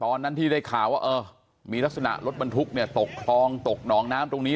ตอนนั้นที่ได้ข่าวว่าเออมีลักษณะรถบรรทุกเนี่ยตกคลองตกหนองน้ำตรงนี้